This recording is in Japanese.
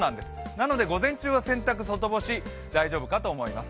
なので午前中は洗濯外干し大丈夫かと思います。